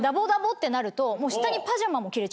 ってなると。